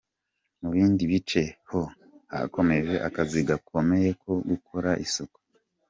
Mu bindi bice, ho hakomeje akazi gakomeye ko gukora isuku.